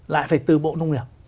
lại phải từ bộ nông nghiệp